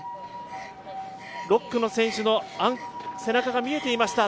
６区の選手の背中が見えていました